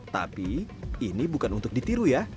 tapi ini bukan untuk ditiru ya